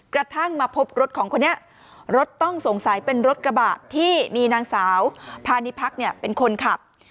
กระทั่งมาพบรถของคนนี้รถต้องสงสัยเป็นรถกระบะที่มีนางสาวพานิพักเนี่ยเป็นคนขับ